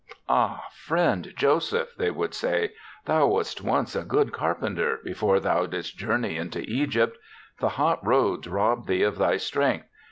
"Ah, friend Joseph," they would say, " thou wast once a good carpen ter before thou didst journey into Egypt. The hot roads robbed thee of thy strength.